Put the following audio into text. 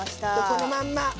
このまんま。